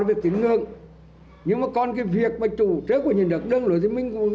việc tiến ngương nhưng mà còn cái việc mà chủ trước của nhân dân đất nước rồi thì mình cũng